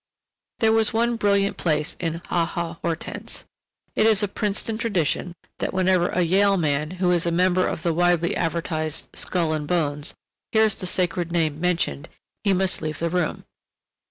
There was one brilliant place in "Ha Ha Hortense!" It is a Princeton tradition that whenever a Yale man who is a member of the widely advertised "Skull and Bones" hears the sacred name mentioned, he must leave the room.